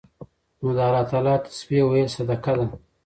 نو د الله تعالی تسبيح ويل صدقه ده